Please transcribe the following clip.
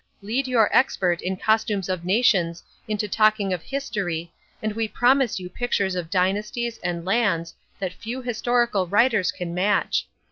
Lead your expert in costumes of nations into talking of history and we promise you pictures of dynasties and lands that few historical writers can match.